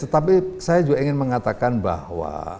tetapi saya juga ingin mengatakan bahwa